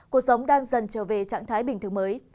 cuộc sống đang dần trở về trạng thái bình thường mới